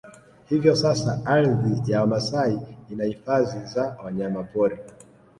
Hivyo sasa ardhi ya Wamasai ina hifadhi za wanyama pori